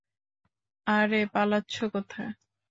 আরে পালাচ্ছো কোথায়?